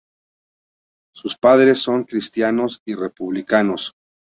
Sus padres son cristianos y republicanos.